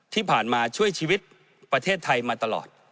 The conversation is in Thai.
ที่ผ่านมาช่วยชีวิตประเทศไทยมาตลอด